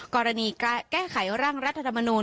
กรณีแก้ไขร่างรัฐธรรมนูล